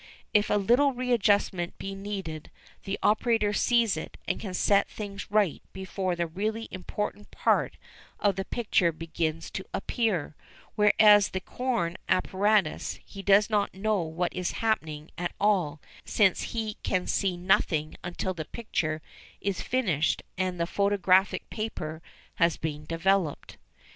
If a little readjustment be needed the operator sees it and can set things right before the really important part of the picture begins to appear, whereas with the Korn apparatus he does not know what is happening at all, since he can see nothing until the picture is finished and the photographic paper has been developed.